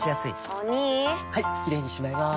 お兄はいキレイにしまいます！